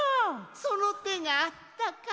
そのてがあったか。